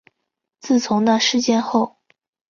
自从那事件后